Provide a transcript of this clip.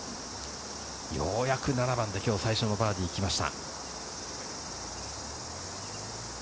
ようやく７番で今日、最初のバーディーが来ました。